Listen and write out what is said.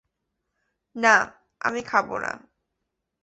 না, আমি যাব না।